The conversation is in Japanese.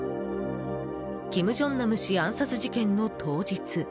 金正男氏暗殺事件の当日。